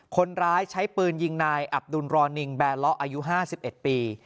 คนร้ายใช้ปืนยิงนายอับดุลรอนิงแบร์เลาะอายุ๕๑ปี